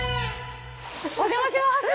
お邪魔します！